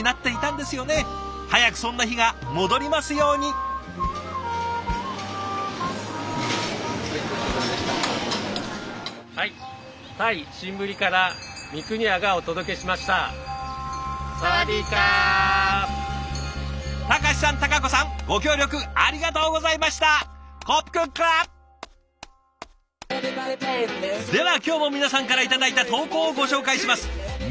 では今日も皆さんから頂いた投稿をご紹介します。